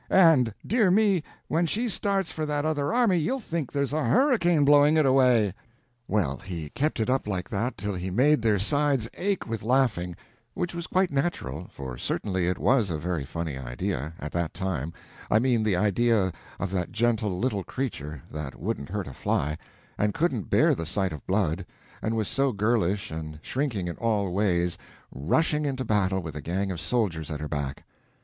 And, dear me, when she starts for that other army, you'll think there's a hurricane blowing it away!" Well, he kept it up like that till he made their sides ache with laughing; which was quite natural, for certainly it was a very funny idea—at that time—I mean, the idea of that gentle little creature, that wouldn't hurt a fly, and couldn't bear the sight of blood, and was so girlish and shrinking in all ways, rushing into battle with a gang of soldiers at her back.